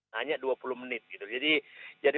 hanya dua puluh menit jadi saya